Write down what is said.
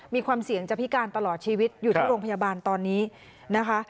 มีความเสี่ยงจะพิการตลอดชีวิตอยู่ที่โรงพยาบาลตอนนี้นะคะ